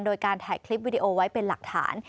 โดยการถ่ายคลิปวิดีโอไว้เป็นหลักฐาน